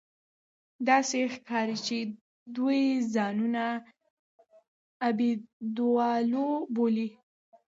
داسې ښکاري چې دوی ځانونه اېبودالو بولي